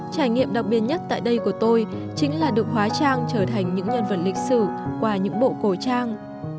trải nghiệm đặc biệt nhất tại đây của tôi chính là được hóa trang trở thành những nhân vật lịch sử qua những bộ cổ trang